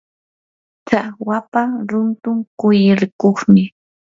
tsakwapa runtun kulli rikuqmi.